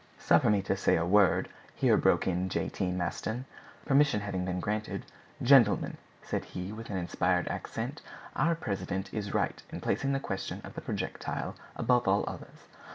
"Suffer me to say a word," here broke in J. T. Maston. Permission having been granted, "Gentlemen," said he with an inspired accent, "our president is right in placing the question of the projectile above all others.